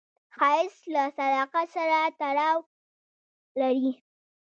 ښایست له صداقت سره تړاو لري